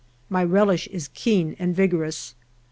My relish is keen and vigorous.